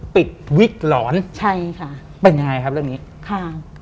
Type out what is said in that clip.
ปิดวิกหลอนเป็นยังไงครับเรื่องนี้ค่ะใช่ค่ะ